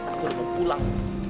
aku udah mau pulang